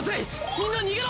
みんな逃げろ！